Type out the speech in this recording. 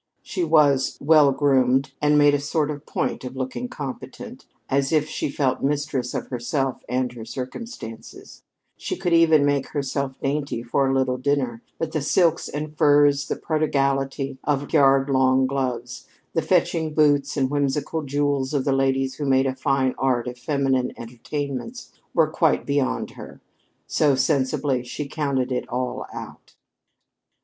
She was "well groomed" and made a sort of point of looking competent, as if she felt mistress of herself and her circumstances; she could even make herself dainty for a little dinner, but the silks and furs, the prodigality of yard long gloves, the fetching boots and whimsical jewels of the ladies who made a fine art of feminine entertainments, were quite beyond her. So, sensibly, she counted it all out.